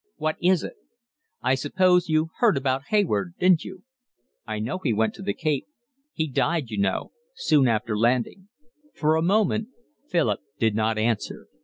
"What is it?" "I suppose you heard about Hayward, didn't you?" "I know he went to the Cape." "He died, you know, soon after landing." For a moment Philip did not answer.